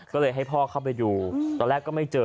ก็เลยให้พ่อเข้าไปดูตอนแรกก็ไม่เจอ